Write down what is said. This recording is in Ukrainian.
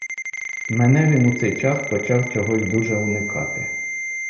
Мене він у цей час почав чогось дуже уникати.